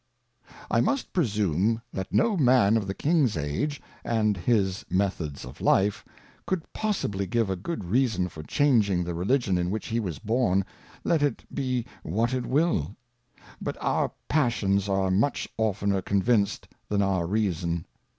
I must presume that no Man of the King^s Age, and his Methods of Life, could possibly give a good reason for chang ing the Religion in which he was born, let it be what it wiU. But our Passions are much oftener convinced than our Reason.